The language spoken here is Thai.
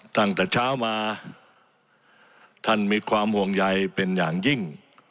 ตั้งแต่เช้ามาท่านมีความห่วงใยเป็นอย่างยิ่ง